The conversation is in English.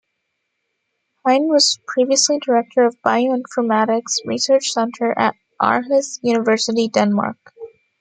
Hein was previously Director of Bioinformatics Research Centre at Aarhus University, Denmark.